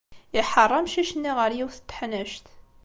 Iḥeṛṛ amcic-nni ɣer yiwet n teḥnact.